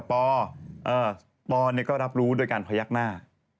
ปปก็รับรู้โดยการพยักหน้า